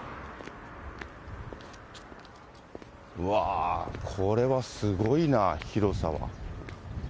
うわー、これはすごいな、広さは。